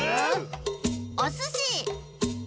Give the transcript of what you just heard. おすし！